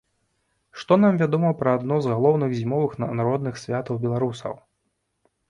Што нам вядома пра адно з галоўных зімовых народных святаў беларусаў?